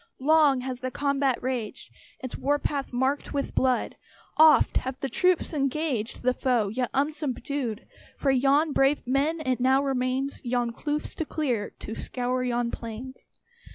Long has the combat raged, Its war path marked with blood; Oft have the troops engaged The foe, yet unsubdued, For yon brave men, it now remains Yon kloofs to clear, to scour yon plains.